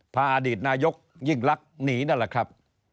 พาอดีตนายกยิ่งลักษณ์หนีนั่นแหละครับ